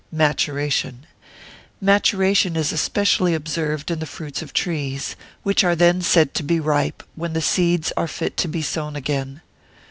Maturation.] Maturation is especially observed in the fruits of trees; which are then said to be ripe, when the seeds are fit to be sown again.